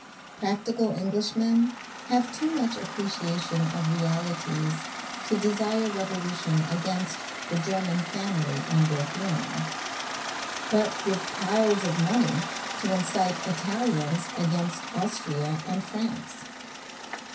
Practical Englishmen have too much appreciation of realities to desire revolution against the German family on their throne, but give piles of money to incite Italians against Austria and France.